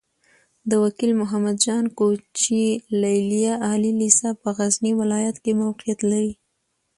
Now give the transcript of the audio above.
د وکيل محمد جان کوچي ليليه عالي لېسه په غزني ولايت کې موقعيت لري.